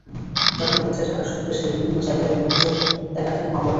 তাঁদের বিরুদ্ধে ঢাকাসহ দেশের বিভিন্ন জায়গায় এমন অভিযোগে একাধিক মামলা রয়েছে।